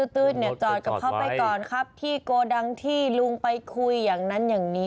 จอดกับเขาไปก่อนครับที่โกดังที่ลุงไปคุยอย่างนั้นอย่างนี้